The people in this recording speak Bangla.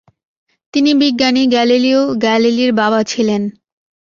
তিনি বিজ্ঞানি গ্যালিলিও গ্যালিলির বাবা ছিলেন।